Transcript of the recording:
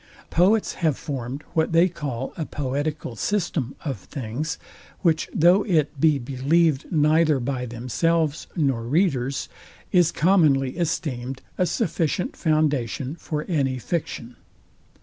Poets have formed what they call a poetical system of things, which though it be believed neither by themselves nor readers, is commonly esteemed a sufficient foundation for any fiction.